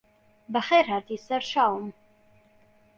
بەخێرهاتی سەرچاوم